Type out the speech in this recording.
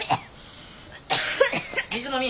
水飲み。